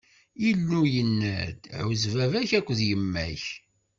Illu yenna-d: Ɛuzz baba-k akked yemma-k.